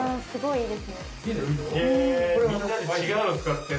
すごい。